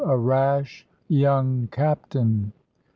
A RASH YOUNG CAPTAIN.